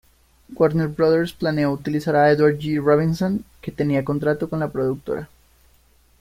Warner Brothers planeó utilizar a Edward G. Robinson, que tenía contrato con la productora.